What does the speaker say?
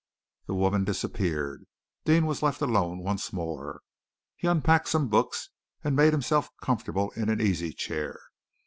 The woman disappeared. Deane was left alone once more. He unpacked some books, and made himself comfortable in an easy chair.